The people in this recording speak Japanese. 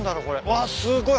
わっすごい。